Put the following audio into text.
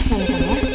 main di sana ya